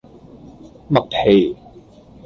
麥皮